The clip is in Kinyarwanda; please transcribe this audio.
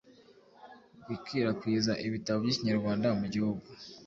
gukwirakwiza ibitabo by’ikinyarwanda. mugihugu